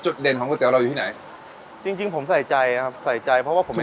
จุดเด่นของก๋วยเตี๋ยวเราอยู่ที่ไหนจริงจริงผมใส่ใจครับใส่ใจเพราะว่าผม